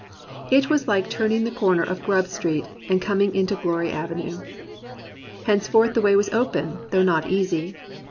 It was like turn ing the corner of Grub Street and coming into Glory Avenue. Henceforth the way was open, though not easy.